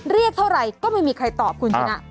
เรียกเท่าไหร่ก็ไม่มีใครตอบคุณชนะ